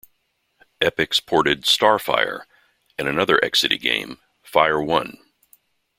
Epyx ported "Star Fire" and another Exidy game, "Fire One!